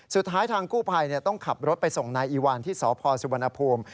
สุดท้ายทางกู้ภัยต้องขับรถไปส่งนายอีวานที่สพสุวรรณภูมิ